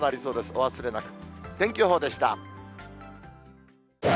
お忘れなく。